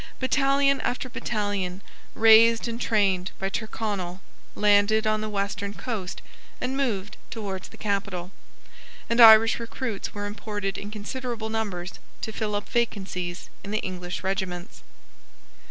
Battalion after battalion, raised and trained by Tyrconnel, landed on the western coast and moved towards the capital; and Irish recruits were imported in considerable numbers, to fill up vacancies in the English regiments.